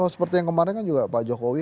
seperti yang kemarin kan juga pak jokowi